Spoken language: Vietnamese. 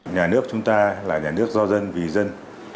nhà nước chúng ta là nhà nước do dân vì dân